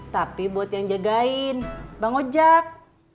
tapi buat yang jagain bang ojek